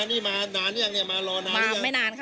นี่มานานยังเราแมวได้ยัง